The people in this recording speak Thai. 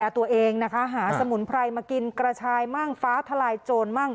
แหะตัวเองหาสมุนไพรมากินเกราชายฟ้าทลายโจร